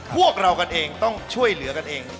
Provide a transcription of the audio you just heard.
พวกเรากันเองต้องช่วยเหลือกันเอง